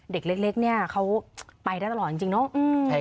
เด็กเล็กเขาไปได้ตลอดจริงเนอะ